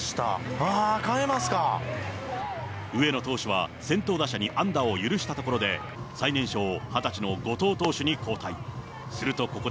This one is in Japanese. ああ、上野投手は、先頭打者に安打を許したところで、最年少、２０歳の後藤投手に交代。